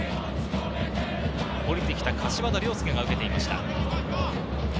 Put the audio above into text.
下りてきた柏田凌佑が受けていました。